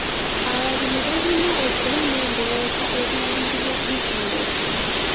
Abalimi balina okuba n'endowooza eruubirira bizinensi.